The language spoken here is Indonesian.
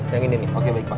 yang ini nih oke baik pak